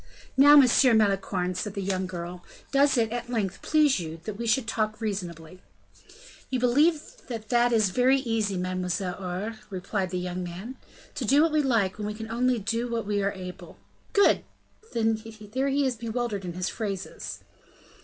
"Now, Monsieur Malicorne," said the young girl, "does it, at length, please you that we should talk reasonably?" "You believe that that is very easy, Mademoiselle Aure," replied the young man. "To do what we like, when we can only do what we are able " "Good! there he is bewildered in his phrases."